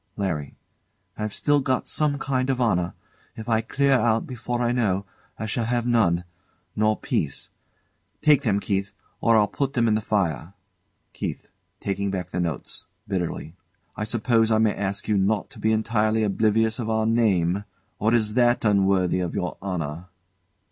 LARRY. I've still got some kind of honour. If I clear out before I know, I shall have none nor peace. Take them, Keith, or I'll put them in the fire. KEITH. [Taking back the notes; bitterly] I suppose I may ask you not to be entirely oblivious of our name. Or is that unworthy of your honour?